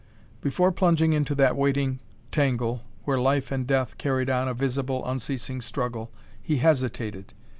Before plunging into that waiting tangle where life and death carried on a visible, unceasing struggle, he hesitated.